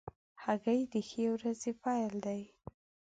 هګۍ د ښې ورځې پیل دی.